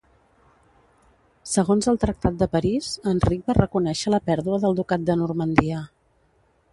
Segons el Tractat de París, Enric va reconèixer la pèrdua del Ducat de Normandia.